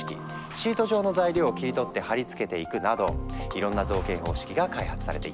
シート状の材料を切り取ってはり付けていくなどいろんな造形方式が開発されていったんだ。